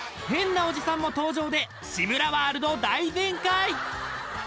変なおじさんも登場で志村ワールド大全開！